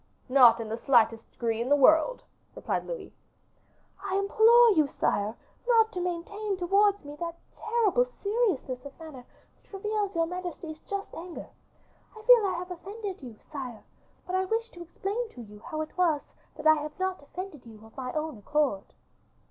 "Not in the slightest degree in the world," replied Louis XIV. "I implore you, sire, not to maintain towards me that terrible seriousness of manner which reveals your majesty's just anger. I feel I have offended you, sire; but I wish to explain to you how it was that I have not offended you of my own accord."